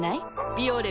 「ビオレ」